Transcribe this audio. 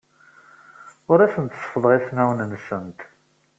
Ur asent-seffḍeɣ ismawen-nsent.